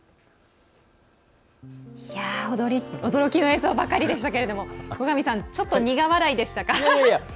驚きの映像ばかりでしたけれども後上さんちょっと苦笑いでしたか？